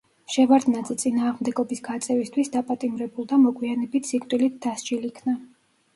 შევარდნაძე წინააღმდეგობის გაწევისთვის დაპატიმრებულ და მოგვიანებით სიკვდილით დასჯილ იქნა.